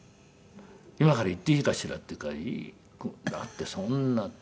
「今から行っていいかしら？」って言うから「だってそんな」って。